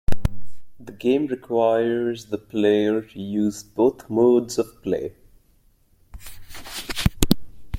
The game requires the player to use both modes of play.